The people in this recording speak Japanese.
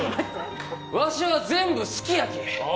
わしは全部好きやけえ！